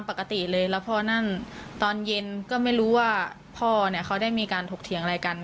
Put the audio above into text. พ่อเขาได้มีการถกเถียงอะไรกัน